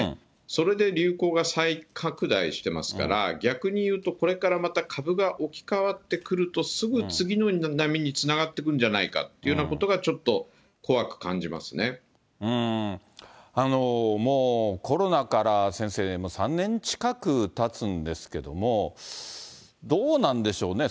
それで流行が再拡大してますから、逆に言うと、これからまた株が置き換わってくると、すぐ次の波につながってくるんじゃないかということが、ちょっともうコロナから、先生、３年近くたつんですけども、どうなんでしょうね。